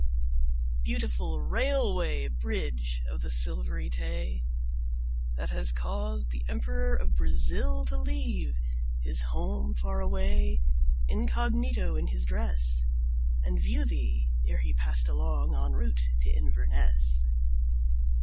Beautiful Railway Bridge of the Silvery Tay! That has caused the Emperor of Brazil to leave His home far away, incognito in his dress, And view thee ere he passed along en route to Inverness.